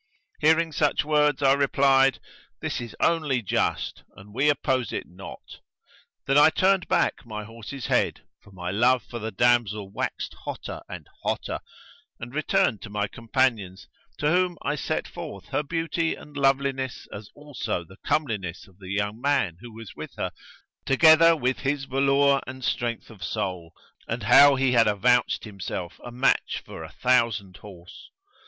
Hearing such words I replied, "This is only just, and we oppose it not." Then I turned back my horse's head (for my love for the damsel waxed hotter and hotter) and returned to my companions, to whom I set forth her beauty and loveliness as also the comeliness of the young man who was with her, together with his velour and strength of soul and how he had avouched himself a match for a thousand horse.